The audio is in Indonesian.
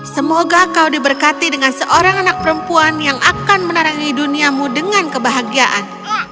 semoga kau diberkati dengan seorang anak perempuan yang akan menarangi duniamu dengan kebahagiaan